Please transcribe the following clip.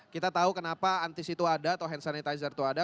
kita tahu kenapa antis itu ada